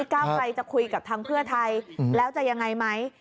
ก้าวไกลจะคุยกับทางเพื่อไทยแล้วจะยังไงไหม